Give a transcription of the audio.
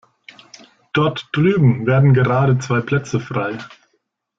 Dort drüben werden gerade zwei Plätze frei.